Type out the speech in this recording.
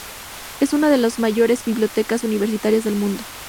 Es una de las mayores bibliotecas universitarias del mundo.